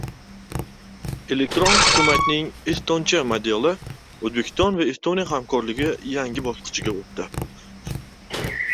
Elektron hukumatning «estoncha modeli». O‘zbekiston va Estoniya hamkorligi yangi bosqichga o‘tdi